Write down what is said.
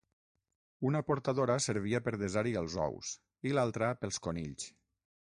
Una portadora servia per desar-hi els ous i l'altra pels conills.